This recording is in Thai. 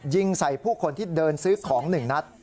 ยิงใส่ผู้คนที่เดินซื้อของ๑นัด